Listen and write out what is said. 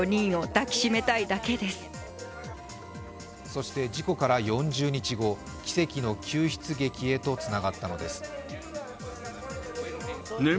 そして事故から４０日後、奇跡の救出劇へとつながったのです。